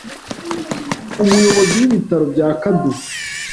Umuyobozi w’ibitaro bya Kaduha,